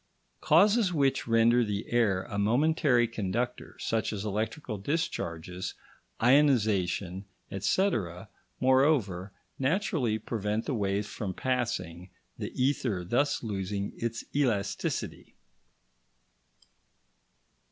Causes which render the air a momentary conductor, such as electrical discharges, ionisation, etc., moreover naturally prevent the waves from passing, the ether thus losing its elasticity.